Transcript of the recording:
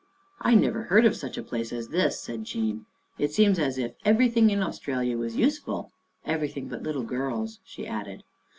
" I never heard of such a place as this," said Jean. " It seems as if everything in Australia was useful. Everything but little girls," she added.